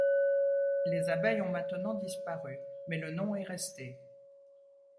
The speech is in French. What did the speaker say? Les abeilles ont maintenant disparu, mais le nom est resté.